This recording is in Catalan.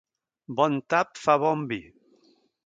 Bon tap fa bon vi.